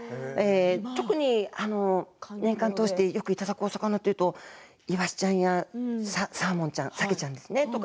特に年間通してよくいただくお魚というといわしちゃんやサーモンちゃんサケちゃんですね。